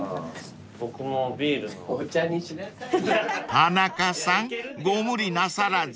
［田中さんご無理なさらず］